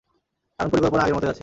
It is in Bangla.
কারন পরিকল্পনা আগের মতই আছে।